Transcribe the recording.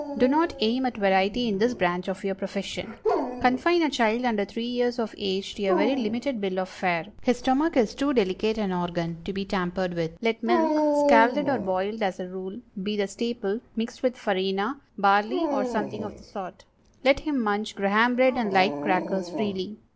Do not aim at variety in this branch of your profession. Confine a child under three years of age to a very limited bill of fare. His stomach is too delicate an organ to be tampered with. Let milk—scalded or boiled, as a rule—be the staple, mixed with farina, barley, or something of the sort. Let him munch Graham bread and light crackers freely.